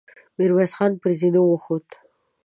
ميرويس خان پر زينو وخوت.